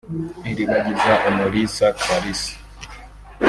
Iribagiza Umulisa Clarisse